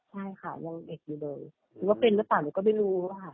ใช่ค่ะยังเด็กอยู่เลยหรือว่าเป็นหรือเปล่าหนูก็ไม่รู้ค่ะ